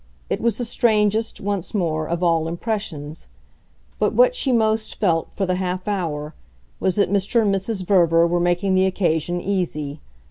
It was the strangest, once more, of all impressions; but what she most felt, for the half hour, was that Mr. and Mrs. Verver were making the occasion easy.